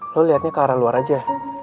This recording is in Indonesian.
lu liatnya ke arah luar aja